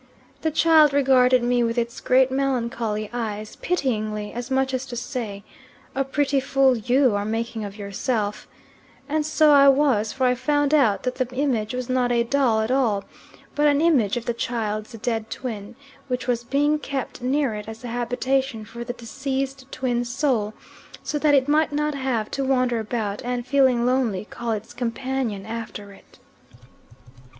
The child regarded me with its great melancholy eyes pityingly, as much as to say, "A pretty fool YOU are making of yourself," and so I was, for I found out that the image was not a doll at all but an image of the child's dead twin which was being kept near it as a habitation for the deceased twin's soul, so that it might not have to wander about, and, feeling lonely, call its companion after it.